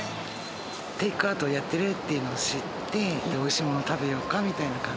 テイクアウトをやってるって知って、おいしいもの食べようかみたいな感じ。